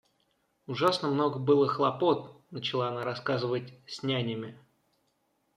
Ужасно много было хлопот, — начала она рассказывать, — с нянями.